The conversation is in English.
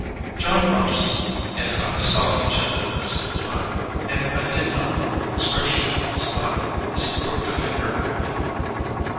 Jon Rogeson and I saw each other at the same time, and I did not like the expression in his eye as he crooked a finger at me.